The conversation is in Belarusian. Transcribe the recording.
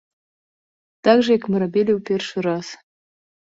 Так жа, як мы рабілі і ў першы раз.